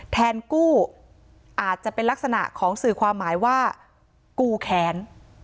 กู้อาจจะเป็นลักษณะของสื่อความหมายว่ากูแค้น